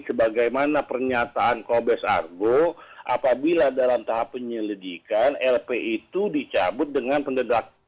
sebagaimana pernyataan kobes argo apabila dalam tahap penyelidikan lp itu dicabut dengan pendedakan